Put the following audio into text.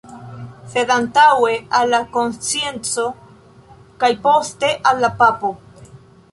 Sed antaŭe al la konscienco kaj poste al la papo”.